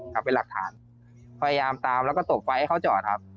กลับไปหลักทานพยายามตามแล้วก็ตบไฟเขาจอดครับ